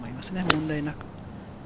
問題なく。